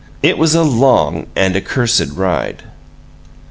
It was a long and accursed ride.